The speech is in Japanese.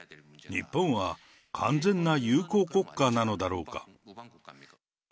日本は、完全な友好国家なのだろうか。